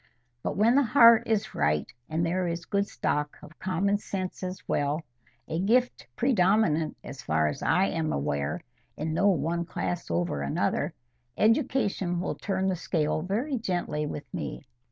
But when the heart is right, and there is a good stock of common sense as well,—a gift predominant, as far as I am aware, in no one class over another, education will turn the scale very gently with me.